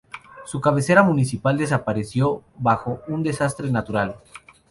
Su cabecera municipal desapareció bajo un desastre natural.